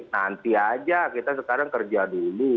nanti aja kita sekarang kerja dulu